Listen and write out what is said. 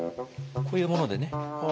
こういうものでね。